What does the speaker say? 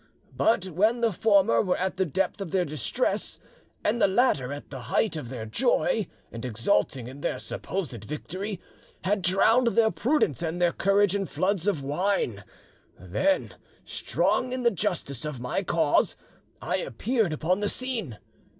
But when the former were at the depth of their distress and the latter at the height of their joy, and, exulting in their supposed victory, had drowned their prudence and their courage in floods of wine, then, strong in the justice of my cause, I appeared upon the scene.